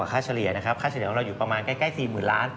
ค่าเฉลี่ยของเราอยู่ประมาณใกล้๔๐ล้าน